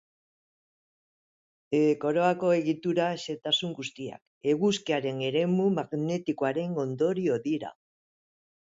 Koroako egitura xehetasun guztiak, eguzkiaren eremu magnetikoaren ondorio dira.